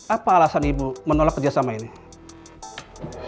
apa alasan ibu menolak kerja sama ini